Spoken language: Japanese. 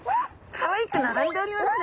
かわいく並んでおりますね。